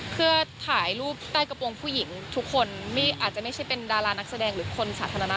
เพื่อถ่ายรูปใต้กระโปรงผู้หญิงทุกคนไม่อาจจะไม่ใช่เป็นดารานักแสดงหรือคนสาธารณะ